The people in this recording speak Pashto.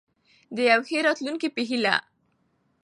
د یوې ښې راتلونکې په هیله.